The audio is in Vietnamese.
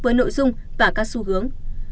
với nội dung và các xu hướng